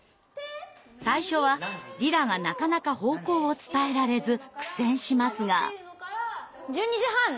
最初はリラがなかなか方向を伝えられず苦戦しますが。